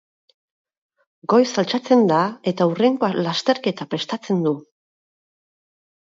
Goiz altxatzen da eta hurrengo lasterketa prestatzen du.